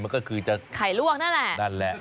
ก็คือไข่ลวกนั่นแหละ